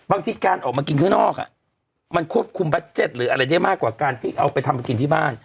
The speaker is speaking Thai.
บางทีการออกมากินข้างนอกมันควบคุมบัสเต็ตหรืออะไรได้มากกว่าการที่เอาไปทำไปกินที่บ้าน